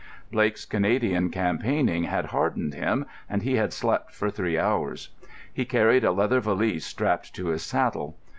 Blake's Canadian campaigning had hardened him, and he had slept for three hours. He carried a leather valise strapped to his saddle.